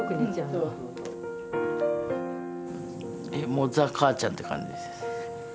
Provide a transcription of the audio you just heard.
もう「ザ・母ちゃん」って感じです。